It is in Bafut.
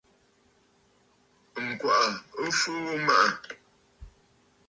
Ŋ̀gwàʼà ɨ fu ghu maʼà.